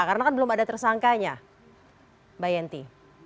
karena kan belum ada tersangkanya mbak yenti